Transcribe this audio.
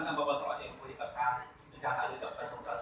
น่าจะมีประมาณว่า